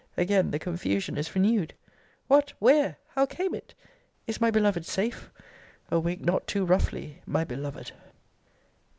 Again the confusion is renewed What! Where! How came it! Is my beloved safe O wake not too roughly, my beloved!